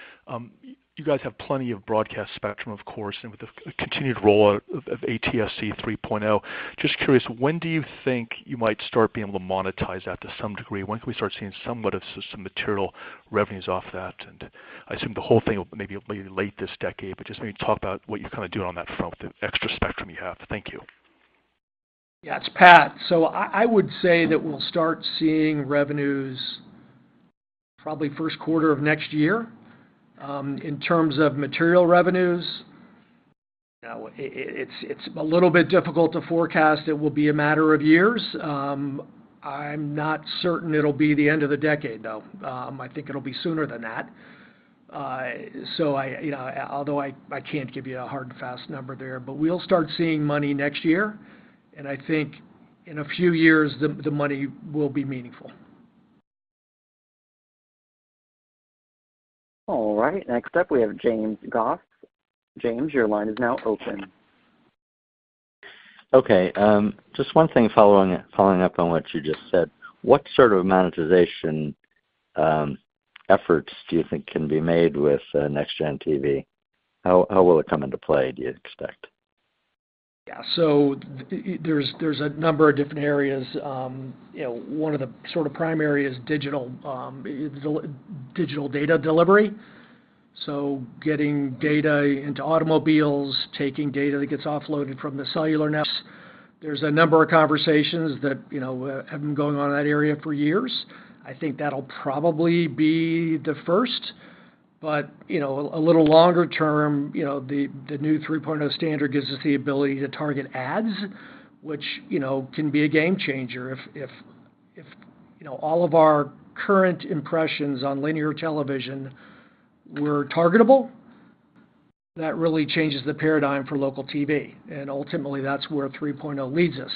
K: you guys have plenty of broadcast spectrum, of course, and with the continued role of ATSC 3.0. Just curious, when do you think you might start being able to monetize that to some degree? When can we start seeing somewhat of some material revenues off that? And I assume the whole thing may be late this decade, but just maybe talk about what you're kind of doing on that front with the extra spectrum you have. Thank you.
D: Yeah. It's Pat. So I would say that we'll start seeing revenues probably first quarter of next year in terms of material revenues. It's a little bit difficult to forecast. It will be a matter of years. I'm not certain it'll be the end of the decade, though. I think it'll be sooner than that. So although I can't give you a hard and fast number there, but we'll start seeing money next year, and I think in a few years, the money will be meaningful.
A: All right. Next up, we have Jim Goss. Jim, your line is now open.
L: Okay. Just one thing following up on what you just said. What sort of monetization efforts do you think can be made with NextGen TV? How will it come into play, do you expect?
D: Yeah. So there's a number of different areas. One of the sort of primary is digital data delivery. So getting data into automobiles, taking data that gets offloaded from the cellular. There's a number of conversations that have been going on in that area for years. I think that'll probably be the first. But a little longer term, the new 3.0 standard gives us the ability to target ads, which can be a game changer. If all of our current impressions on linear television were targetable, that really changes the paradigm for local TV, and ultimately, that's where 3.0 leads us.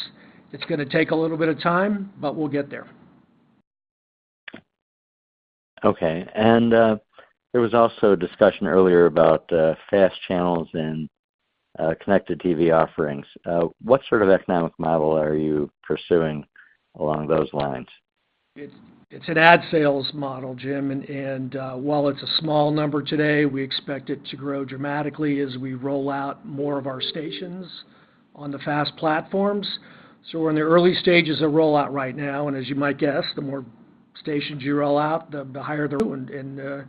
D: It's going to take a little bit of time, but we'll get there.
L: Okay. And there was also a discussion earlier about FAST channels and Connected TV offerings. What sort of economic model are you pursuing along those lines?
D: It's an ad sales model, Jim. And while it's a small number today, we expect it to grow dramatically as we roll out more of our stations on the fast platforms. So we're in the early stages of rollout right now. And as you might guess, the more stations you roll out, the higher the. And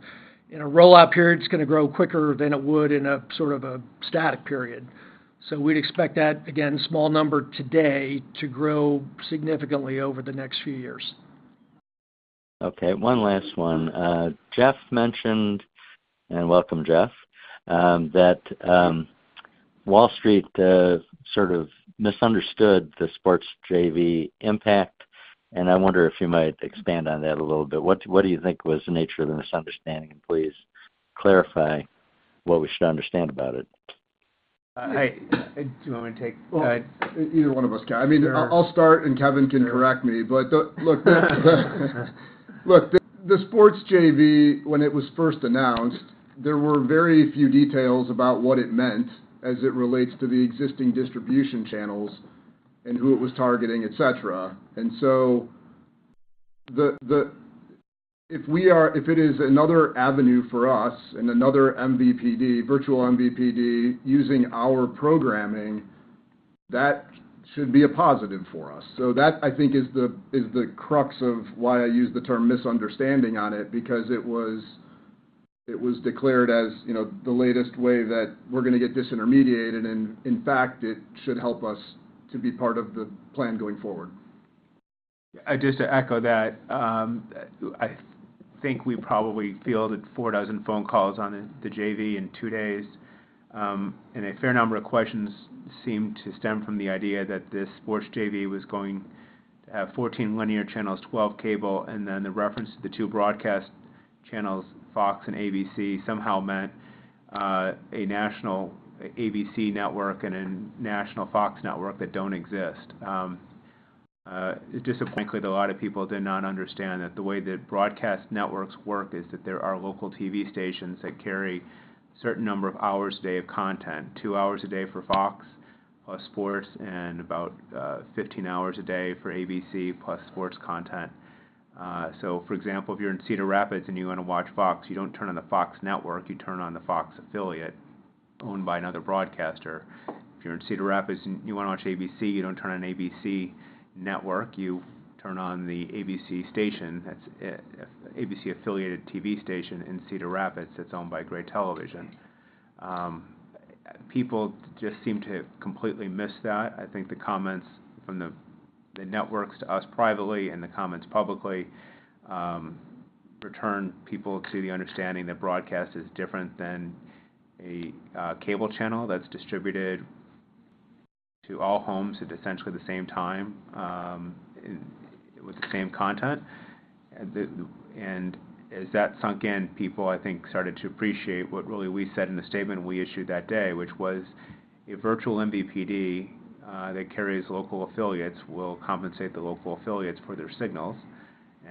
D: in a rollout period, it's going to grow quicker than it would in sort of a static period. So we'd expect that, again, small number today, to grow significantly over the next few years.
L: Okay. One last one. Jeff mentioned, and welcome, Jeff, that Wall Street sort of misunderstood the Sports JV impact, and I wonder if you might expand on that a little bit. What do you think was the nature of the misunderstanding? And please clarify what we should understand about it.
G: Hey. Do you want me to take either one of us, Kevin? I mean, I'll start, and Kevin can correct me. But look. Look. The Sports JV, when it was first announced, there were very few details about what it meant as it relates to the existing distribution channels and who it was targeting, etc. And so if it is another avenue for us and another MVPD, virtual MVPD, using our programming, that should be a positive for us. So that, I think, is the crux of why I use the term misunderstanding on it because it was declared as the latest way that we're going to get disintermediated. And in fact, it should help us to be part of the plan going forward.
F: Just to echo that, I think we probably fielded 48 phone calls on the JV in 2 days. A fair number of questions seemed to stem from the idea that this Sports JV was going to have 14 linear channels, 12 cable, and then the reference to the 2 broadcast channels, Fox and ABC, somehow meant a national ABC network and a national Fox network that don't exist. Disappointingly, a lot of people did not understand that the way that broadcast networks work is that there are local TV stations that carry a certain number of hours a day of content, 2 hours a day for Fox plus sports and about 15 hours a day for ABC plus sports content. So for example, if you're in Cedar Rapids and you want to watch Fox, you don't turn on the Fox network. You turn on the Fox affiliate owned by another broadcaster. If you're in Cedar Rapids and you want to watch ABC, you don't turn on ABC network. You turn on the ABC station, that's ABC affiliated TV station in Cedar Rapids that's owned by Gray Television. People just seem to completely miss that. I think the comments from the networks to us privately and the comments publicly return people to the understanding that broadcast is different than a cable channel that's distributed to all homes at essentially the same time with the same content. And as that sunk in, people, I think, started to appreciate what really we said in the statement we issued that day, which was a virtual MVPD that carries local affiliates will compensate the local affiliates for their signals.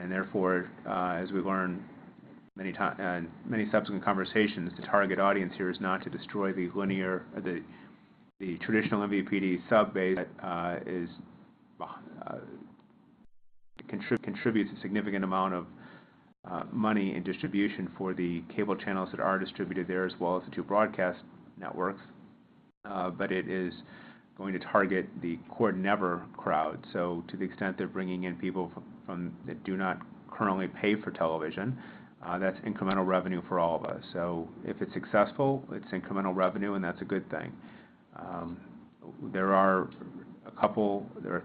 F: Therefore, as we learned in many subsequent conversations, the target audience here is not to destroy the traditional MVPD sub base. That contributes a significant amount of money in distribution for the cable channels that are distributed there as well as the two broadcast networks. But it is going to target the cord-never crowd. So to the extent they're bringing in people that do not currently pay for television, that's incremental revenue for all of us. So if it's successful, it's incremental revenue, and that's a good thing. There are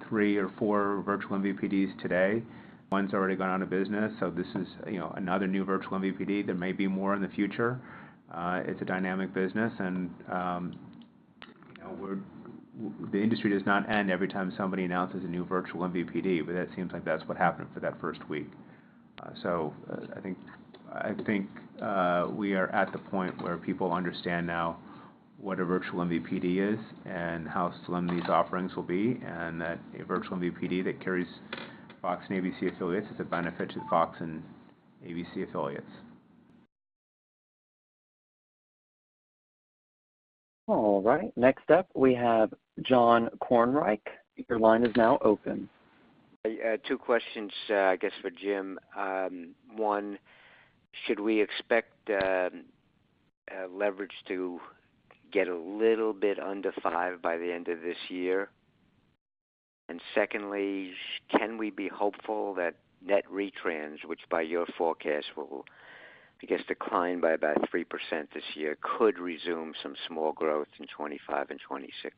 F: three or four virtual MVPDs today. One's already gone out of business. So this is another new virtual MVPD. There may be more in the future. It's a dynamic business, and the industry does not end every time somebody announces a new virtual MVPD, but that seems like that's what happened for that first week. I think we are at the point where people understand now what a virtual MVPD is and how slim these offerings will be and that a virtual MVPD that carries Fox and ABC affiliates is a benefit to the Fox and ABC affiliates.
A: All right. Next up, we have John Kornreich. Your line is now open.
M: Two questions, I guess, for Jim. One, should we expect leverage to get a little bit under 5 by the end of this year? And secondly, can we be hopeful that net retrans, which by your forecast will, I guess, decline by about 3% this year, could resume some small growth in 2025 and 2026?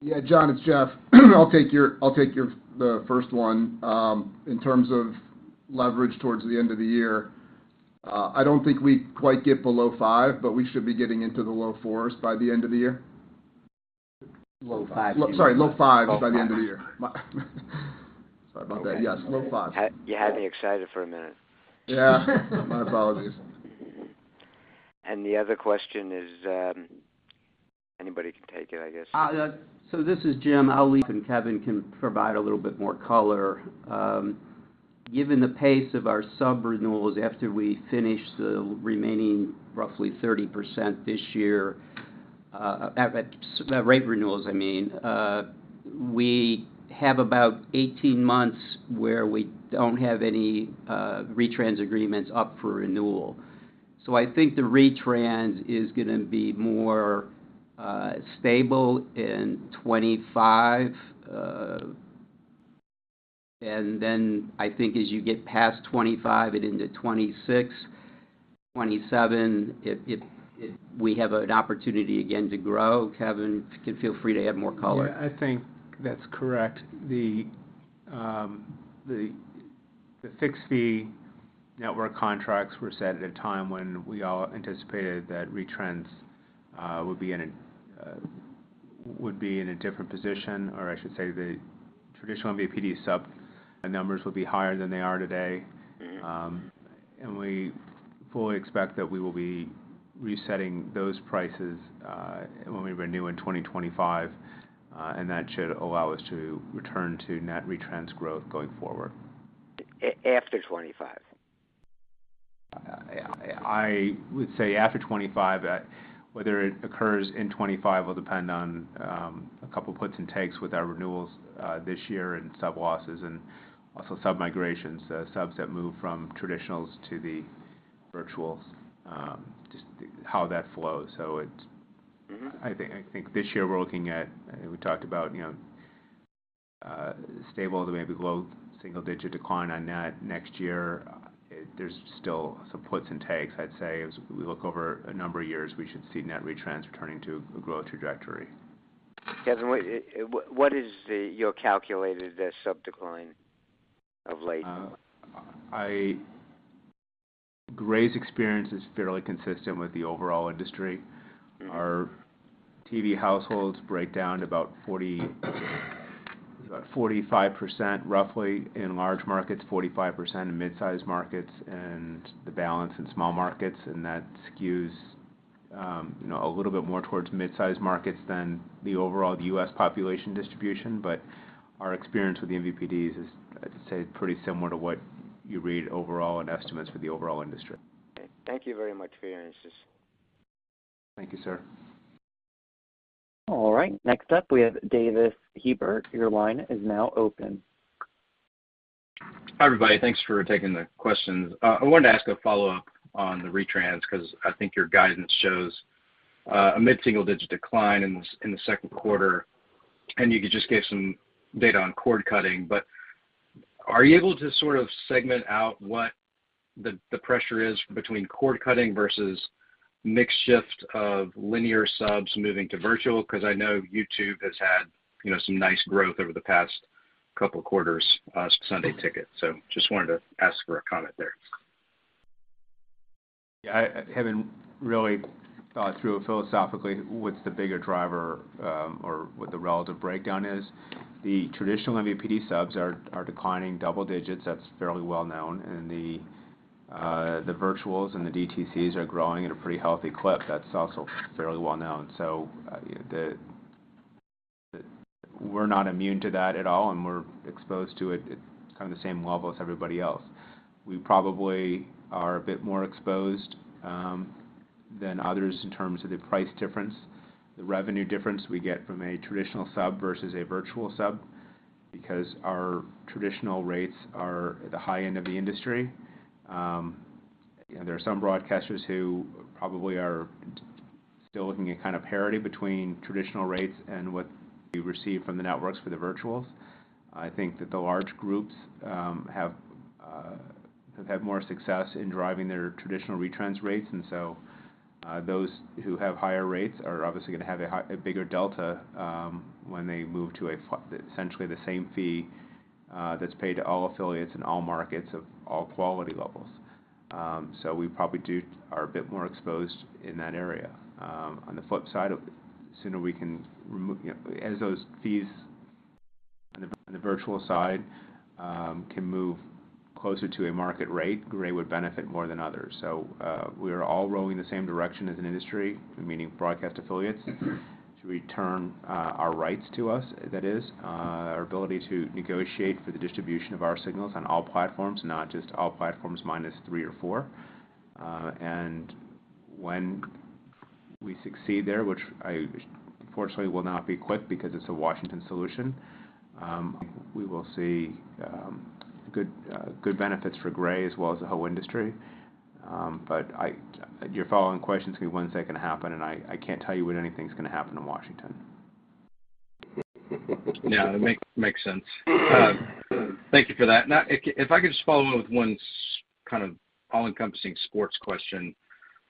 G: Yeah, John. It's Jeff. I'll take the first one. In terms of leverage towards the end of the year, I don't think we quite get below 5, but we should be getting into the low 4s by the end of the year. Sorry. Low 5s by the end of the year. Sorry about that. Yes. Low 5s.
M: You had me excited for a minute.
G: Yeah. My apologies.
M: The other question is, anybody can take it, I guess.
F: So this is Jim. And Kevin can provide a little bit more color. Given the pace of our sub-renewals after we finish the remaining roughly 30% this year rate renewals, I mean, we have about 18 months where we don't have any retrans agreements up for renewal. So I think the retrans is going to be more stable in 2025. And then I think as you get past 2025 and into 2026, 2027, we have an opportunity again to grow. Kevin, feel free to add more color.
C: Yeah. I think that's correct. The fixed-fee network contracts were set at a time when we all anticipated that retrans would be in a different position or I should say the traditional MVPD sub numbers will be higher than they are today. We fully expect that we will be resetting those prices when we renew in 2025, and that should allow us to return to net retrans growth going forward.
M: After '25?
F: I would say after 2025. Whether it occurs in 2025 will depend on a couple of puts and takes with our renewals this year and sub-losses and also sub-migrations, subs that move from traditionals to the virtuals, just how that flows. So I think this year, we're looking at we talked about stable to maybe low single-digit decline on net next year. There's still some puts and takes, I'd say. As we look over a number of years, we should see net retrans returning to a growth trajectory.
M: Kevin, what is your calculated sub-decline of late?
C: Gray's experience is fairly consistent with the overall industry. Our TV households break down to about 45% roughly in large markets, 45% in midsize markets, and the balance in small markets. That skews a little bit more towards midsize markets than the overall U.S. population distribution. Our experience with the MVPDs is, I'd say, pretty similar to what you read overall in estimates for the overall industry.
M: Okay. Thank you very much for your answers.
F: Thank you, sir.
A: All right. Next up, we have Davis Hebert. Your line is now open.
N: Hi, everybody. Thanks for taking the questions. I wanted to ask a follow-up on the retrans because I think your guidance shows a mid-single-digit decline in the second quarter. And you just gave some data on cord cutting. But are you able to sort of segment out what the pressure is between cord cutting versus mix shift of linear subs moving to virtual? Because I know YouTube has had some nice growth over the past couple of quarters. Sunday Ticket. So just wanted to ask for a comment there.
F: Yeah. Haven't really thought through philosophically what's the bigger driver or what the relative breakdown is. The traditional MVPD subs are declining double digits. That's fairly well known. The virtuals and the DTCs are growing at a pretty healthy clip. That's also fairly well known. We're not immune to that at all, and we're exposed to it kind of the same level as everybody else. We probably are a bit more exposed than others in terms of the price difference, the revenue difference we get from a traditional sub versus a virtual sub because our traditional rates are at the high end of the industry. There are some broadcasters who probably are still looking at kind of parity between traditional rates and what we receive from the networks for the virtuals. I think that the large groups have had more success in driving their traditional retrans rates. Those who have higher rates are obviously going to have a bigger delta when they move to essentially the same fee that's paid to all affiliates in all markets of all quality levels. So we probably are a bit more exposed in that area. On the flip side, the sooner we can as those fees on the virtual side can move closer to a market rate, Gray would benefit more than others. So we are all rowing the same direction as an industry, meaning broadcast affiliates should return our rights to us, that is, our ability to negotiate for the distribution of our signals on all platforms, not just all platforms minus three or four. And when we succeed there, which fortunately will not be quick because it's a Washington solution. We will see good benefits for Gray as well as the whole industry. But your following questions can be one second to happen, and I can't tell you when anything's going to happen in Washington.
N: Yeah. That makes sense. Thank you for that. Now, if I could just follow up with one kind of all-encompassing sports question.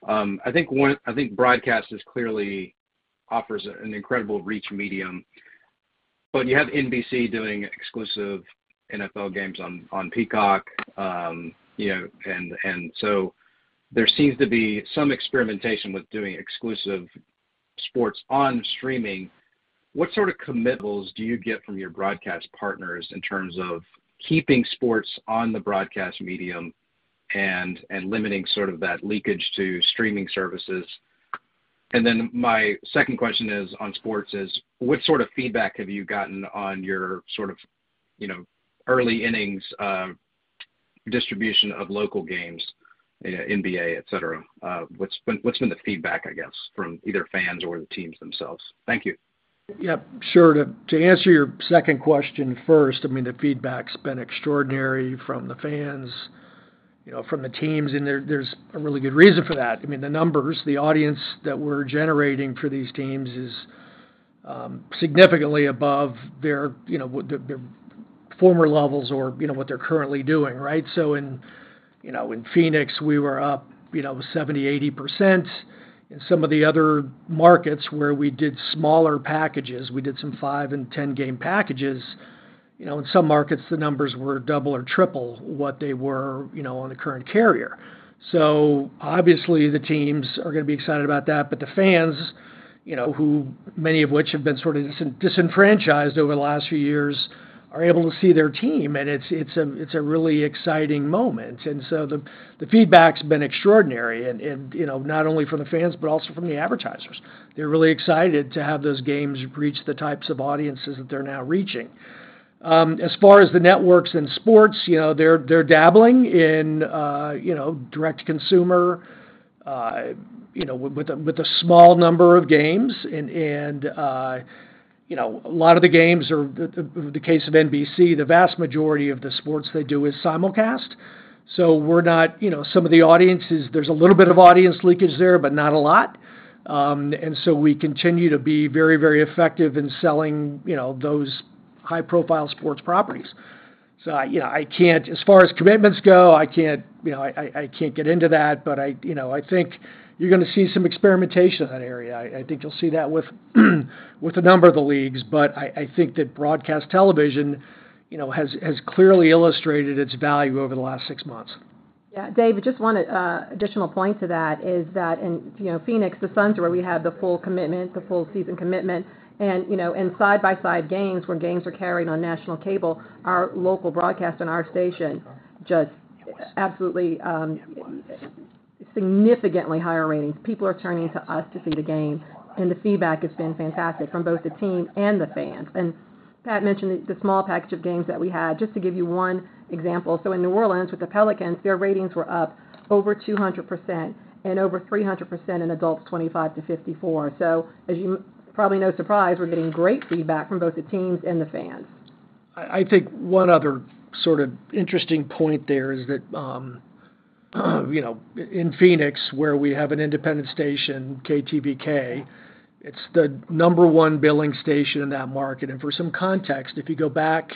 N: I think broadcast clearly offers an incredible reach medium. But you have NBC doing exclusive NFL games on Peacock. And so there seems to be some experimentation with doing exclusive sports on streaming. What sort of commitments do you get from your broadcast partners in terms of keeping sports on the broadcast medium and limiting sort of that leakage to streaming services? And then my second question on sports is, what sort of feedback have you gotten on your sort of early innings distribution of local games, NBA, etc.? What's been the feedback, I guess, from either fans or the teams themselves? Thank you.
D: Yep. Sure. To answer your second question first, I mean, the feedback's been extraordinary from the fans, from the teams. And there's a really good reason for that. I mean, the numbers, the audience that we're generating for these teams is significantly above their former levels or what they're currently doing, right? So in Phoenix, we were up 70%-80%. In some of the other markets where we did smaller packages, we did some 5- and 10-game packages. In some markets, the numbers were double or triple what they were on the current carrier. So obviously, the teams are going to be excited about that. But the fans, many of which have been sort of disenfranchised over the last few years, are able to see their team. And it's a really exciting moment. And so the feedback's been extraordinary, not only from the fans but also from the advertisers. They're really excited to have those games reach the types of audiences that they're now reaching. As far as the networks and sports, they're dabbling in direct-to-consumer with a small number of games. And a lot of the games are the case of NBC. The vast majority of the sports they do is simulcast. So we're not some of the audiences there's a little bit of audience leakage there, but not a lot. And so we continue to be very, very effective in selling those high-profile sports properties. So I can't as far as commitments go, I can't get into that. But I think you're going to see some experimentation in that area. I think you'll see that with a number of the leagues. But I think that broadcast television has clearly illustrated its value over the last six months.
E: Yeah. Dave, just one additional point to that is that in Phoenix, the Suns are where we have the full commitment, the full-season commitment. In side-by-side games where games are carried on national cable, our local broadcast on our station just absolutely significantly higher ratings. People are turning to us to see the game. The feedback has been fantastic from both the team and the fans. Pat mentioned the small package of games that we had. Just to give you one example, so in New Orleans with the Pelicans, their ratings were up over 200% and over 300% in adults 25-54. So as you probably know, surprise, we're getting great feedback from both the teams and the fans.
D: I think one other sort of interesting point there is that in Phoenix, where we have an independent station, KTVK, it's the number 1 billing station in that market. For some context, if you go back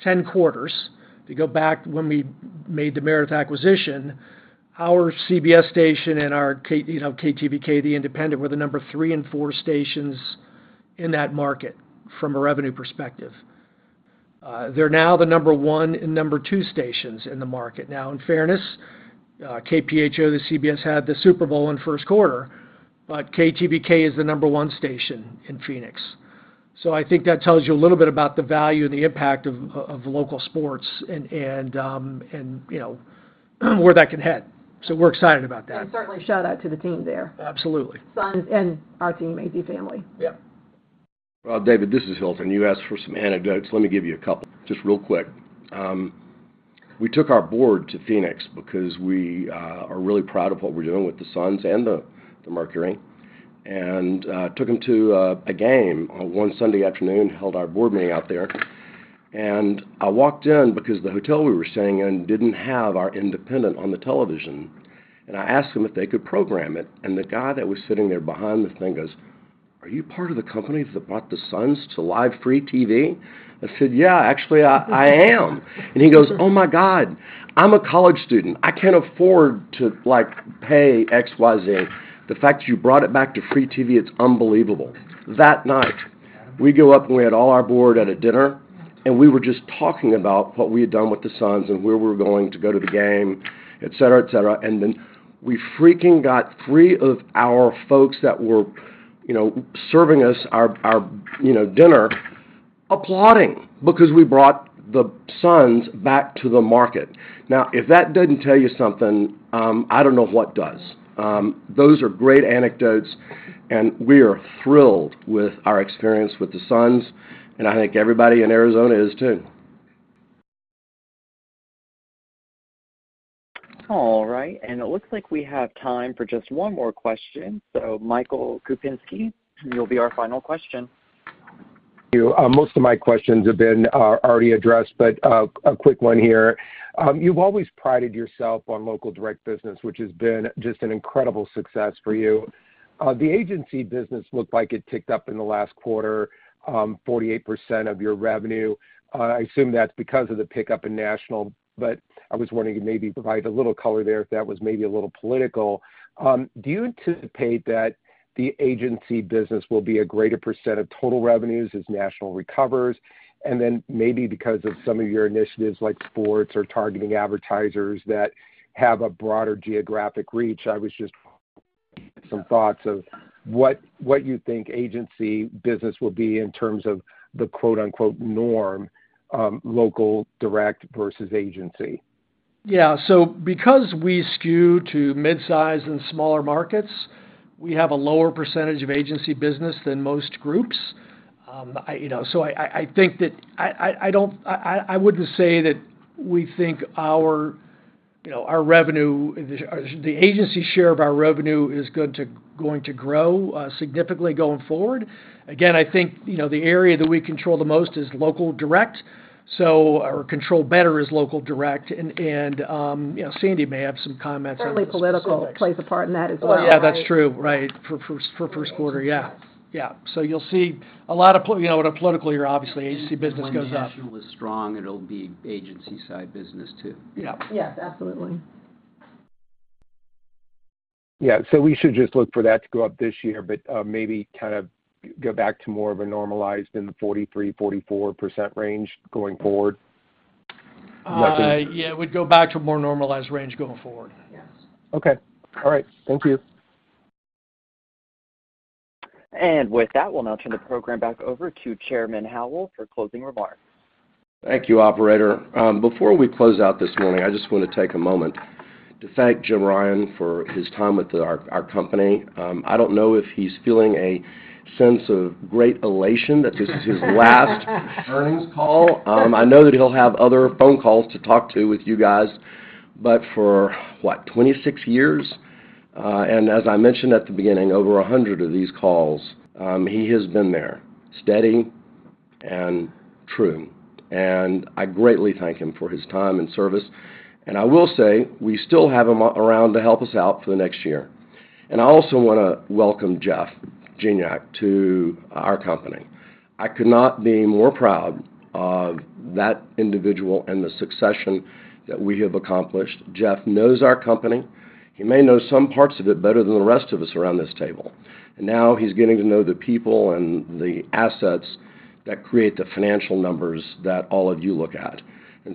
D: 10 quarters, if you go back when we made the Meredith acquisition, our CBS station and our KTVK, the independent, were the number 3 and 4 stations in that market from a revenue perspective. They're now the number 1 and 2 stations in the market. In fairness, KPHO, the CBS, had the Super Bowl in first quarter. But KTVK is the number 1 station in Phoenix. So I think that tells you a little bit about the value and the impact of local sports and where that can head. So we're excited about that.
E: Certainly, shout out to the team there.
D: Absolutely.
E: Suns and our team, AZ Family.
D: Yeah.
B: Well, David, this is Hilton. You asked for some anecdotes. Let me give you a couple. Just real quick. We took our board to Phoenix because we are really proud of what we're doing with the Suns and the Mercury. And took them to a game one Sunday afternoon, held our board meeting out there. And I walked in because the hotel we were staying in didn't have our independent on the television. And I asked them if they could program it. And the guy that was sitting there behind the thing goes, "Are you part of the company that brought the Suns to live free TV?" I said, "Yeah. Actually, I am." And he goes, "Oh my God. I'm a college student. I can't afford to pay X, Y, Z. The fact that you brought it back to free TV, it's unbelievable." That night, we go up and we had all our board at a dinner. And we were just talking about what we had done with the Suns and where we were going to go to the game, etc., etc. And then we freaking got three of our folks that were serving us our dinner applauding because we brought the Suns back to the market. Now, if that didn't tell you something, I don't know what does. Those are great anecdotes. And we are thrilled with our experience with the Suns. And I think everybody in Arizona is too.
A: All right. It looks like we have time for just one more question. Michael Kupinski, you'll be our final question.
O: Thank you. Most of my questions have been already addressed. But a quick one here. You've always prided yourself on local direct business, which has been just an incredible success for you. The agency business looked like it ticked up in the last quarter, 48% of your revenue. I assume that's because of the pickup in national. But I was wanting to maybe provide a little color there if that was maybe a little political. Do you anticipate that the agency business will be a greater % of total revenues as national recovers? And then maybe because of some of your initiatives like sports or targeting advertisers that have a broader geographic reach, I was just some thoughts of what you think agency business will be in terms of the "norm," local direct versus agency.
D: Yeah. So because we skew to midsize and smaller markets, we have a lower percentage of agency business than most groups. So I think that I wouldn't say that we think our revenue, the agency share of our revenue, is going to grow significantly going forward. Again, I think the area that we control the most is local direct. So our control better is local direct. And Sandy may have some comments on this.
E: Probably political plays a part in that as well.
D: Yeah. That's true, right, for first quarter. Yeah. Yeah. So you'll see a lot of what a political year, obviously, agency business goes up.
B: When national is strong, it'll be agency-side business too.
D: Yeah.
E: Yes. Absolutely.
O: Yeah. So we should just look for that to go up this year. But maybe kind of go back to more of a normalized in the 43%-44% range going forward.
D: Yeah. It would go back to a more normalized range going forward.
O: Yes. Okay. All right. Thank you.
A: With that, we'll now turn the program back over to Chairman Howell for closing remarks.
B: Thank you, operator. Before we close out this morning, I just want to take a moment to thank Jim Ryan for his time with our company. I don't know if he's feeling a sense of great elation that this is his last earnings call. I know that he'll have other phone calls to talk to with you guys. But for, what, 26 years? And as I mentioned at the beginning, over 100 of these calls. He has been there, steady and true. And I greatly thank him for his time and service. And I will say, we still have him around to help us out for the next year. And I also want to welcome Jeff Gignac to our company. I could not be more proud of that individual and the succession that we have accomplished. Jeff knows our company. He may know some parts of it better than the rest of us around this table. Now he's getting to know the people and the assets that create the financial numbers that all of you look at.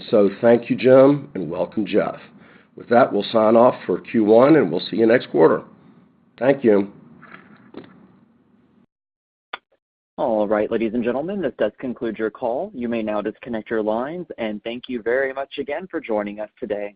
B: So thank you, Jim, and welcome, Jeff. With that, we'll sign off for Q1. We'll see you next quarter. Thank you.
A: All right, ladies and gentlemen, this does conclude your call. You may now disconnect your lines. Thank you very much again for joining us today.